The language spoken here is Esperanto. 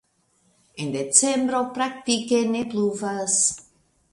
En decembro praktike ne pluvas.